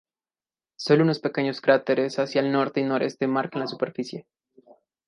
Solo unos pequeños cráteres hacia el norte y noreste marcan la superficie.